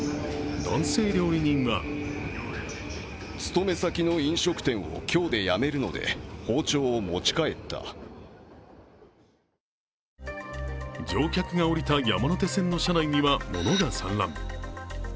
男性料理人は乗客が降りた山手線の車内には物が散乱。